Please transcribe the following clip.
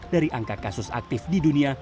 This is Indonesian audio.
dari angka kasus aktif di dunia